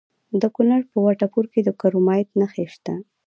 د کونړ په وټه پور کې د کرومایټ نښې شته.